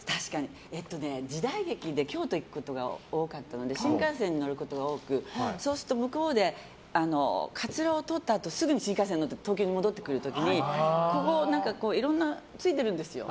時代劇で京都行くことが多かったので新幹線に乗ることが多くてそうすると向こうでかつらを取ったあとすぐに新幹線に乗って東京に戻ってくる時にいろんなついてるんですよ。